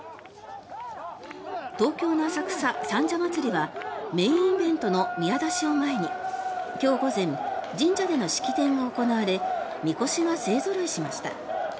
東京の浅草・三社祭はメインイベントの宮出しを前に今日午前神社での式典が行われみこしが勢ぞろいしました。